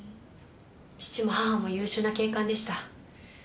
父も母も優秀な警官でした。